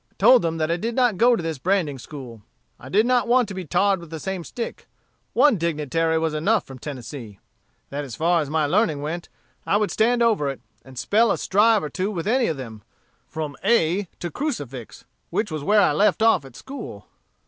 "I told them that I did not go to this branding school; I did not want to be tarred with the same stick; one dignitary was enough from Tennessee; that as far as my learning went, I would stand over it, and spell a strive or two with any of them, from a b ab to crucifix, which was where I left off at school."